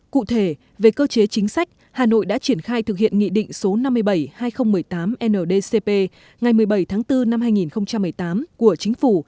cụ thể về cơ chế chính sách hà nội đã triển khai thực hiện nghị định số năm mươi bảy hai nghìn một mươi tám ndcp ngày một mươi bảy tháng bốn năm hai nghìn một mươi tám của chính phủ